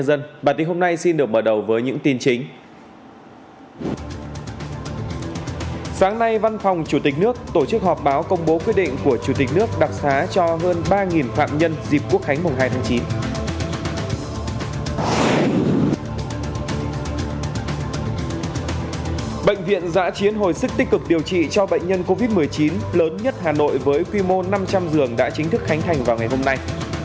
hồi sức tích cực điều trị cho bệnh nhân covid một mươi chín lớn nhất hà nội với quy mô năm trăm linh giường đã chính thức khánh thành vào ngày hôm nay